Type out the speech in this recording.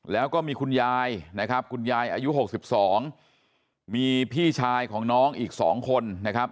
แล้วก็มีคุณยายนะครับคุณยายอายุ๖๒มีพี่ชายของน้องอีก๒คนนะครับ